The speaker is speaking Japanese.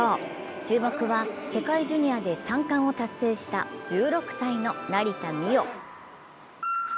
注目は世界ジュニアで３冠を達成した１６歳の成田実生。